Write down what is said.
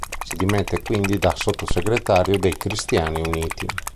Si dimette quindi da sottosegretario dei Cristiani Uniti.